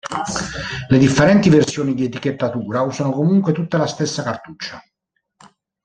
Le differenti versioni di etichettatura usano comunque tutte la stessa cartuccia.